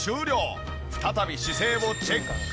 再び姿勢をチェック。